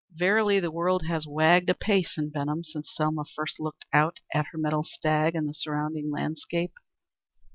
Verily, the world has wagged apace in Benham since Selma first looked out at her metal stag and the surrounding landscape.